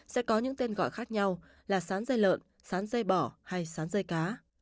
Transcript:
sẽ có những tên gọi khác nhau là sán dây lợn sán dây bỏ hay sán dây cá